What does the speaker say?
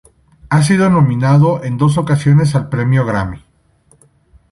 Ha sido nominado en dos ocasiones al Premio Grammy.